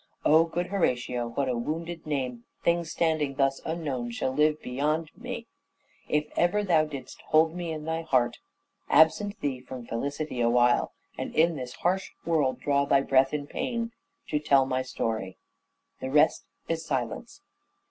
O good Horatio, what a wounded name Things standing thus unknown, shall live behind me ! If ever thou did'st hold me in thy heart. Absent thee from felicity awhile, And in this harsh world draw thy breath in pain, To tell my story. ...... The rest is silence."